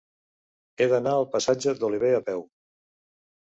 He d'anar al passatge d'Olivé a peu.